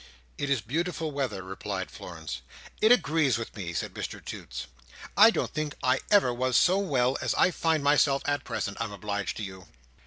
"It is beautiful weather," replied Florence. "It agrees with me!" said Mr Toots. "I don't think I ever was so well as I find myself at present, I'm obliged to you.